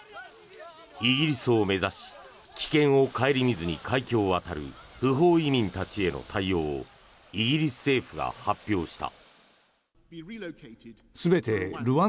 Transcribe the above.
イギリスを目指し危険を顧みずに海峡を渡る不法移民たちへの対応をイギリス政府が発表した。